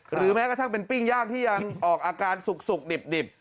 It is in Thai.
แม้กระทั่งเป็นปิ้งย่างที่ยังออกอาการสุกดิบ